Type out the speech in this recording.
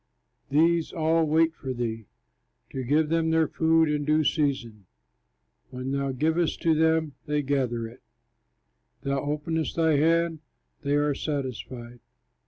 These all wait for thee, To give them their food in due season. When thou givest to them, they gather it; Thou openest thy hand, they are satisfied.